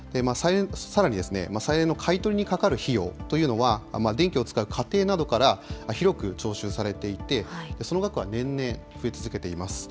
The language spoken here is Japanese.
さらに、再エネの買い取りにかかる費用というのは、電気を使う家庭などから広く徴収されていて、その額は年々、増え続けています。